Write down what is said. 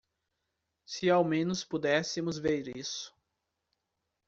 Se ao menos pudéssemos ver isso.